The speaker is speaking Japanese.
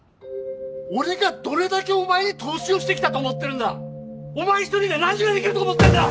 俺がどれだけお前に投資をしてきたと思ってるんだお前一人で何ができると思ってるんだ！